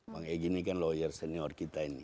bang egy ini kan lawyer senior kita ini